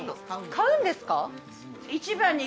買うんですか？